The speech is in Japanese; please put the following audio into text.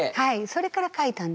それから書いたんです。